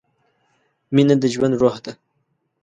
مینه د ژوند روح ده.